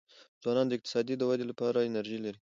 ځوانان د اقتصاد د ودې لپاره انرژي لري.